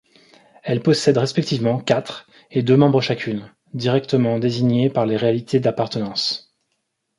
Elles possèdent respectivement quatre et deux membres chacune, directement désignés par les réalités d’appartenances.